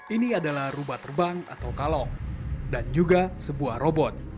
ini adalah rubah terbang atau kalong dan juga sebuah robot